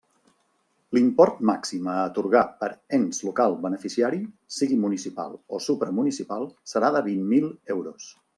L'import màxim a atorgar per ens local beneficiari, sigui municipal o supramunicipal, serà de vint mil euros.